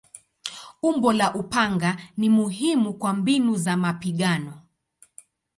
Umbo la upanga ni muhimu kwa mbinu za mapigano.